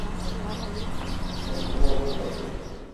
Me te wo peum.